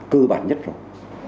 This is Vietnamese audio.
cơ bản nhất rồi